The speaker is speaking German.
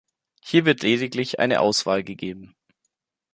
Hier wird lediglich eine Auswahl gegeben.